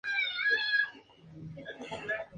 Su padre, George Best, fue una leyenda de fútbol.